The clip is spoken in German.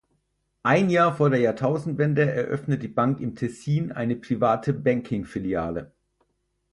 Ein Jahr vor der Jahrtausendwende eröffnet die Bank im Tessin eine Private Banking-Filiale.